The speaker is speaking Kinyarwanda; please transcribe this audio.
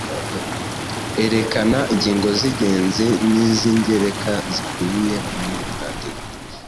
Erekana ingingo z’ingenzi n’iz’ingereka zikubiye muri uyu mwandiko.